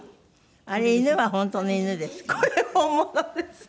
あれ犬は本当の犬ですか？